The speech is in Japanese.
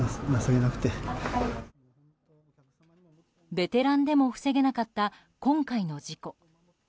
ベテランでも防げなかった今回の事故。